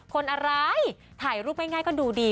คนอะไรถ่ายรูปง่ายก็ดูดี